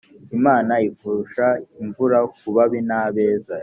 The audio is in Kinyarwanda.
imana ivusha imvura kubabi na beza